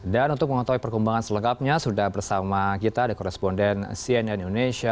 dan untuk mengontohi perkembangan selekapnya sudah bersama kita ada koresponden cnn indonesia